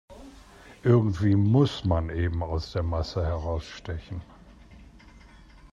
Irgendwie muss man eben aus der Masse herausstechen.